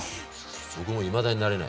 僕もいまだに慣れない。